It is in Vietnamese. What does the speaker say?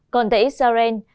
còn tại israel